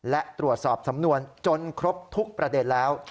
และตรวจสอบสำนวนจนครบทุกประเด็นแล้ว